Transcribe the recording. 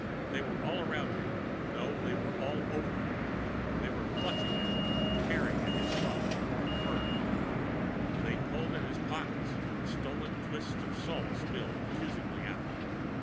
They were all around him no, they were all over him; they were clutching at him, tearing at his soft, warm furs. They pulled at his pockets and the stolen twists of salt spilled accusingly out.